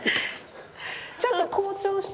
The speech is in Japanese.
ちょっと紅潮して。